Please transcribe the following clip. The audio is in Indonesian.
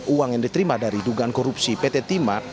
uang yang diterima dari dugaan korupsi pt timar